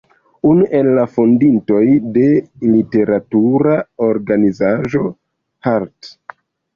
Unu el la fondintoj de literatura organizaĵo "Hart'.